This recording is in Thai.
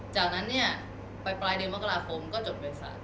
จากนั้นเนี่ยไปปลายเดือนมกราคมก็จบเมษา